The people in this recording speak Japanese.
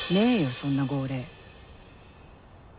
そんな号令